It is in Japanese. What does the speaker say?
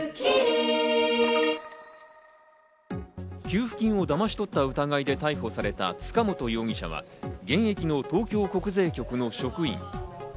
給付金をだまし取った疑いで逮捕された塚本容疑者は現役の東京国税局の職員。